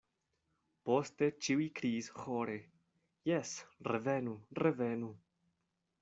Poste ĉiuj kriis ĥore: “Jes, revenu, revenu.”